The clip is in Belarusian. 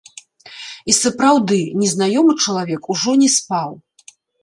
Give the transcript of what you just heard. І сапраўды незнаёмы чалавек ужо не спаў.